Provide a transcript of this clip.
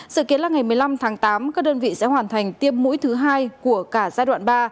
sự kiến là ngày một mươi năm tháng tám các đơn vị sẽ hoàn thành tiêm mũi thứ hai của cả giai đoạn ba